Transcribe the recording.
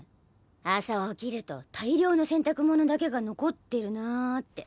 朝起きると大量の洗濯物だけが残ってるなって。